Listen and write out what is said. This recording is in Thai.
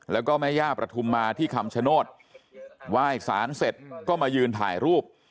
แล้วก็แม่ย่าประทุมมาที่คำชโนธไหว้สารเสร็จก็มายืนถ่ายรูป